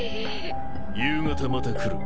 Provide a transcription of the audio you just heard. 夕方また来る。